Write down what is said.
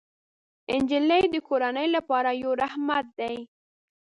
نجلۍ د کورنۍ لپاره یو رحمت دی.